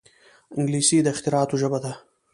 انګلیسي د اختراعاتو ژبه ده